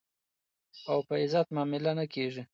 او په عزت معامله نه کېږي.